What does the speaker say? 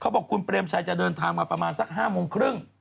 บอกคุณเปรมชัยจะเดินทางมาประมาณสัก๕โมงครึ่ง